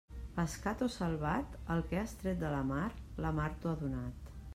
Pescat o salvat, el que has tret de la mar, la mar t'ho ha donat.